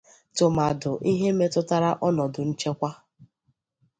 tụmadụ n'ihe metụtara ọnọdụ nchekwa.